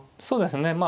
そうですね。